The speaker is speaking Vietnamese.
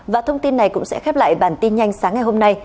và thông tin này cũng sẽ khép lại bản tin nhanh sáng ngày hôm nay